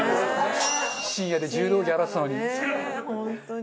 深夜で柔道着洗ってたのに。